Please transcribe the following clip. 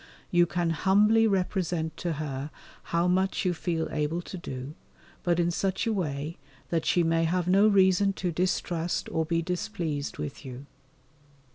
You can humbly represent to her how much you feel able to do, but in such a way that she may have no reason to distrust or be displeased with you.